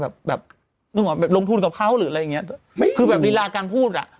แบบแบบนึกว่าแบบลงทุนกับเขาหรืออะไรอย่างเงี้ยคือแบบรีลาการพูดอ่ะ